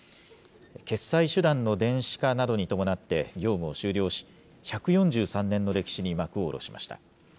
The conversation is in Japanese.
決済手段の電子化などに伴って業務を終了し、１４３年の歴史に幕を下ろしました。